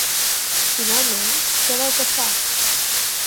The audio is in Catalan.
Finalment, què veu que fa?